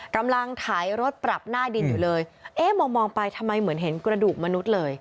กำลังถ่ายรถปรับหน้าดินอยู่เลยเอ๊ะมองมองไปทำไมเหมือนเห็นกระดูกมนุษย์เลย